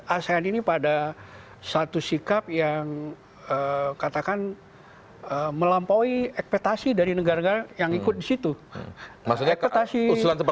asean ini pada satu sikap yang katakan melampaui ekspetasi dari negara negara yang ikut di situ